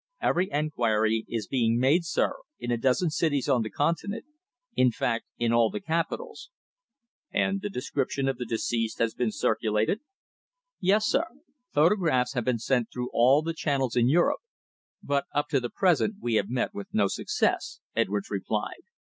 "Every inquiry is being made, sir, in a dozen cities on the continent. In fact, in all the capitals." "And the description of the deceased has been circulated?" "Yes, sir. Photographs have been sent through all the channels in Europe. But up to the present we have met with no success," Edwards replied.